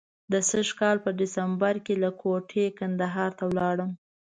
د سږ کال په سپټمبر کې له کوټې کندهار ته ولاړم.